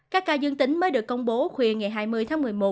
các ca dương tính mới được công bố khuya ngày hai mươi tháng một mươi một